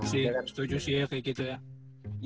sih setuju sih ya kayak gitu ya